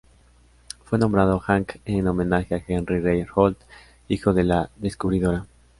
Fue nombrado Hank en homenaje a "Henry Reid Holt" hijo de la descubridora.